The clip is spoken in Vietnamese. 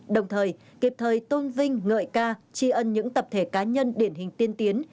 đồng thời kịp thời tôn vinh ngợi ca tri ân những tập thể cá nhân điển hình tiên tiến